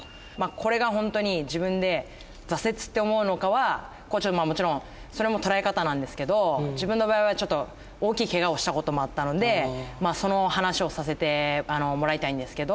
これがほんとに自分で挫折って思うのかはもちろんそれも捉え方なんですけど自分の場合はちょっと大きいケガをした事もあったのでその話をさせてもらいたいんですけど。